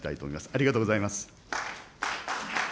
ありがとうございます。